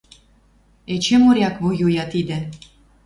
«Эче моряк воюя тидӹ!»